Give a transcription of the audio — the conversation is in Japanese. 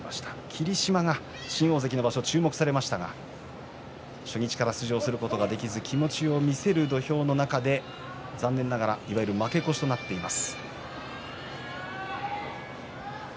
霧島は新大関の場所注目されましたが初日から出場することができず気持ちを見せる土俵の中で残念ながら、いわゆる負け越しとなっています。